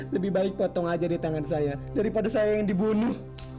lebih baik potong aja di tangan saya daripada saya yang dibunuh